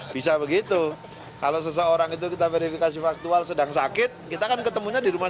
bisa begitu kalau seseorang itu kita verifikasi faktual sedang sakit kita kan ketemunya di rumah